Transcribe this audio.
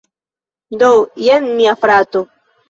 Do, jen mia frato